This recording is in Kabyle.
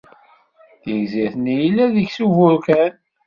Tigzirt-nni yella deg-s uburkan.